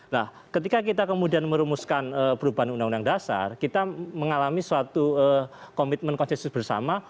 nah ketika kita kemudian merumuskan perubahan undang undang dasar kita mengalami suatu komitmen konsensus bersama